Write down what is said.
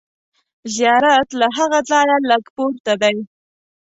زیارت له هغه ځایه لږ پورته دی.